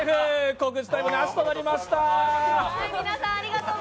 告知タイムなしとなりました。